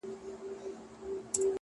د فیلانو هم سي غاړي اوږدولای!.